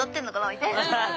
みたいな。